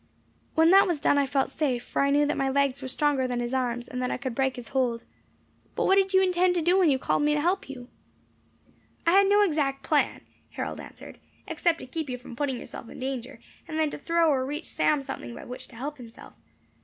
When that was done I felt safe, for I knew that my legs were stronger than his arms, and that I could break his hold. But what did you intend to do when you called me to help you?" "I had no exact plan," Harold answered, "except to keep you from putting yourself in danger, and then to throw or reach Sam something by which to help himself.